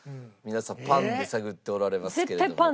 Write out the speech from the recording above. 皆さんパンで探っておられますけれども。